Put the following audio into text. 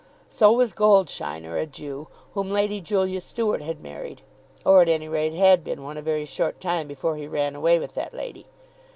So was Goldsheiner a Jew, whom Lady Julia Start had married, or at any rate had been one a very short time before he ran away with that lady.